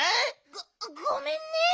ごごめんね。